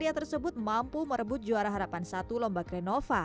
pria tersebut mampu merebut juara harapan satu lomba krenova